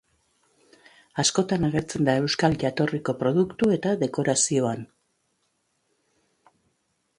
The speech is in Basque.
Askotan agertzen da euskal jatorriko produktu eta dekorazioan.